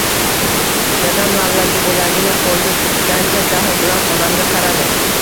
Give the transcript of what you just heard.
Dadam lavlagi bo‘lagini qo‘lida tutgancha jahl bilan onamga qaradi.